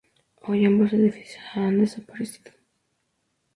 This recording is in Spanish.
Hoy ambos edificios han desaparecido.